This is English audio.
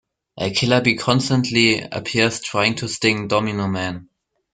A killer bee constantly appears trying to sting Domino Man.